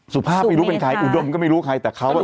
สุภาพอะไรรู้เป็นใครอุดมก็ไม่รู้ใครมาฝัน